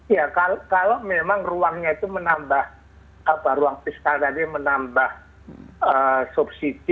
ya kalau memang ruangnya itu menambah ruang fiskal tadi menambah subsidi